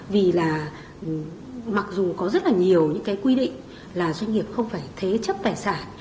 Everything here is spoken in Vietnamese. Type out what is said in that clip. vì là mặc dù có rất là nhiều những cái quy định là doanh nghiệp không phải thế chấp tài sản